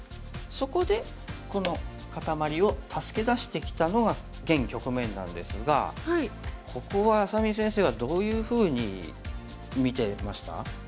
そこでこの固まりを助け出してきたのが現局面なんですがここは愛咲美先生はどういうふうに見てました？